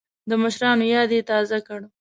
د مشرانو یاد یې تازه کړ.